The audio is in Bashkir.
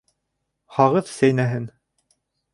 — Һағыҙ сәйнәһен...